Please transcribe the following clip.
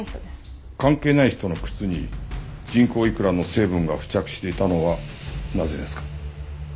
関係ない人の靴に人工いくらの成分が付着していたのはなぜですか？